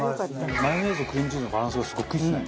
マヨネーズとクリームチーズのバランスがすごくいいですね。